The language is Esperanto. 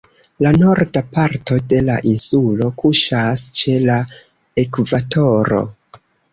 La Norda parto de la insulo kuŝas ĉe la ekvatoro.